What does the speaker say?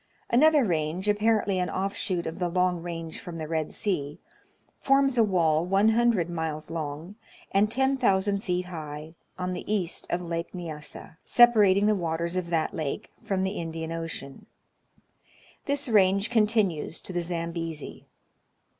Another range, apparently an offshoot of the long range from the Red Sea, forms a wall 100 miles long, and 10,000 feet high, on the east of Lake Nyassa, separating the waters of that lake from the Indian Ocean. This range continues to the Zambezi.